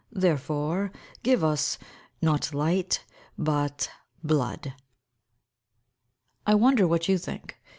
Therefore give us, not Light, but Blood." I wonder what you think.